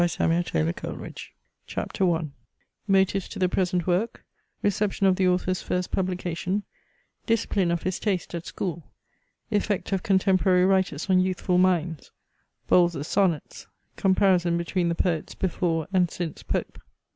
BIOGRAPHIA LITERARIA CHAPTER I Motives to the present work Reception of the Author's first publication Discipline of his taste at school Effect of contemporary writers on youthful minds Bowles's Sonnets Comparison between the poets before and since Pope.